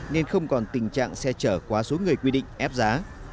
nên không còn tình trạng xe chở quá số người quy định ép giá